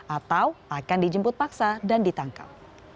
atau akan dijemput paksa dan ditangkap